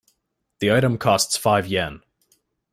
The item costs five Yen.